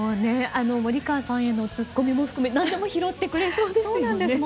森川さんへのツッコミも含めなんでも拾ってくれそうですよね。